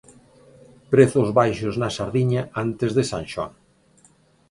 Prezos baixos na sardiña antes de San Xoán.